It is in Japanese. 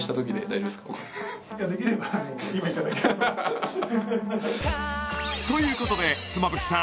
いやできれば今いただきたいとということで妻夫木さん